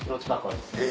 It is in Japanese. え！